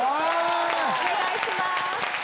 お願いします。